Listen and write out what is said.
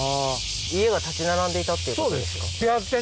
家が立ち並んでいたってことですか？